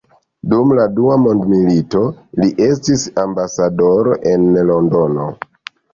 Dum la dua mondmilito, li estis ambasadoro en Londono.